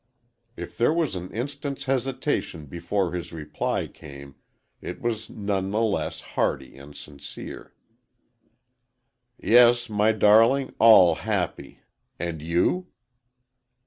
If there was an instant's hesitation before his reply came, it was none the less hearty and sincere. "Yes, my darling, all happy. And you?"